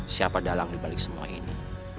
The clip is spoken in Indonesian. siapa dalang dibalik semua ini